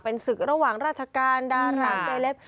เป็นศึกระหว่างราชการดาราเซเลป